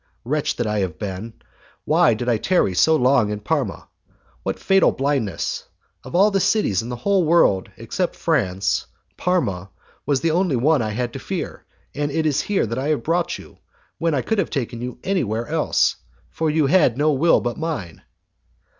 Wretch that I have been! Why did I tarry so long in Parma? What fatal blindness! Of all the cities in the whole world, except France, Parma was the only one I had to fear, and it is here that I have brought you, when I could have taken you anywhere else, for you had no will but mine!